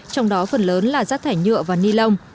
trong đó phần lớn là rác thải nhựa và ni lông